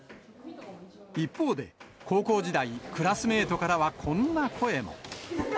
一方で、高校時代、クラスメートからはこんな声も。